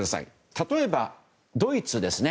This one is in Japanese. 例えば、ドイツですね。